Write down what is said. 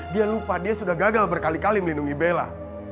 dia lupa dia sudah gagal berkali kali melindungi bella